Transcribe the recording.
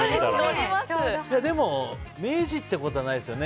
でも明治ってことはないですよね。